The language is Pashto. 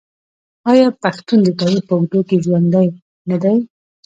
آیا پښتون د تاریخ په اوږدو کې ژوندی نه دی؟